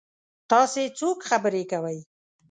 تاسو څوک خبرې کوئ؟